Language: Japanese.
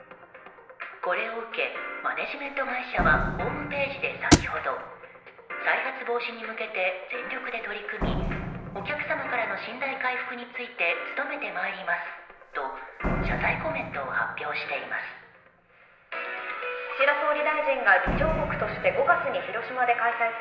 これを受け、マネジメント会社はホームページで先ほど、再発防止に向けて全力で取り組みお客様からの信頼回復について努めてまいりますと謝罪コメントを発表しています。